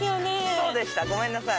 そうでしたごめんなさい。